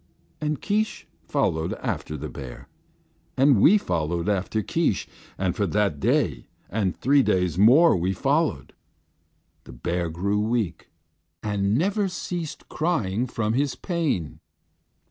And Keesh followed after the bear, and we followed after Keesh, and for that day and three days more we followed. The bear grew weak, and never ceased crying from his pain."